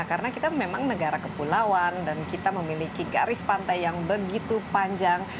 karena kita memang negara kepulauan dan kita memiliki garis pantai yang begitu panjang